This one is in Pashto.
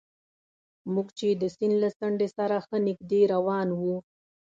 موږ چې د سیند له څنډې سره ښه نژدې روان وو.